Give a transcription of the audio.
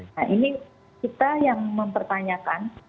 nah ini kita yang mempertanyakan